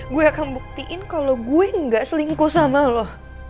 gue akan buktiin kalo gue gak selingkuh sama lo